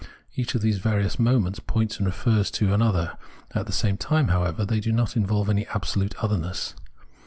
Each of these various moments points and refers to an other ; at the same time, however, they do not involve any absolute otherness.